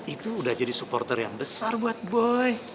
itu udah jadi supporter yang besar buat boy